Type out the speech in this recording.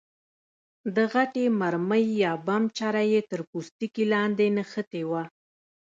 د غټې مرمۍ یا بم چره یې تر پوستکي لاندې نښتې وه.